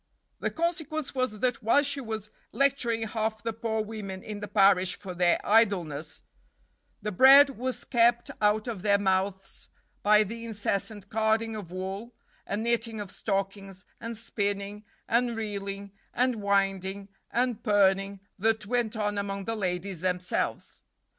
The consequence was that, while she was lecturing half the poor women in the parish for their idleness, the bread was kept out of their mouths by the incessant carding of wool, and knitting of stockings, and spinning, and reeling, and winding, and pirning, that went on among the ladies themselves.